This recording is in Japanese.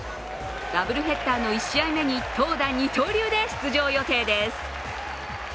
ダブルヘッダーの１試合目に投打二刀流で出場予定です。